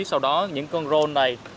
sau đó những con rôn này